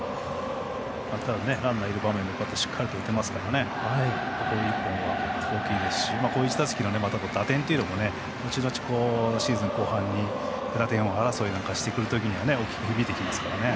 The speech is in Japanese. バッターもランナーがいる場面でしっかりと打てますからこの１本は大きいしこの１打席の打点が後々、シーズン後半に打点王争いをしてくる中で大きく響いてきますからね。